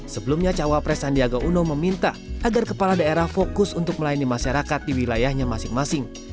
sebelumnya cawa pres sandiaga uno meminta agar kepala daerah fokus untuk melayani masyarakat di wilayahnya masing masing